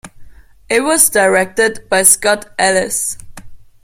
It was directed by Scott Ellis.